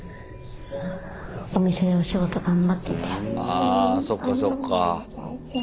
あそっかそっか。